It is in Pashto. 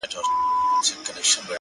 زحمت د بریا خام مواد دي،